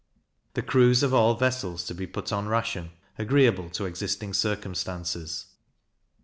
The crews of all vessels to be put on ration, agreeable to existing circumstances.